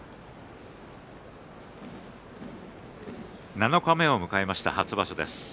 七日目を迎えました初場所です。